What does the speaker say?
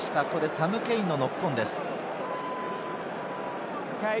サム・ケインのノックオンです。